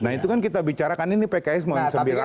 nah itu kan kita bicarakan ini pks mau sembilan